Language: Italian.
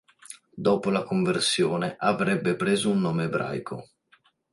Dopo la conversione avrebbe preso un nome ebraico.